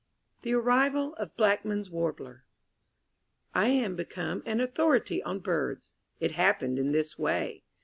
THE ARRIVAL OF BLACKMAN'S WARBLER I am become an Authority on Birds. It happened in this way.